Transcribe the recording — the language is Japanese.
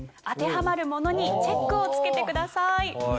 当てはまるものにチェックを付けてください。